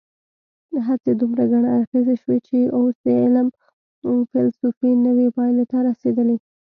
هڅې دومره ګڼ اړخیزې شوي چې اوس د علم فېلسوفي نوې پایلې ته رسېدلې.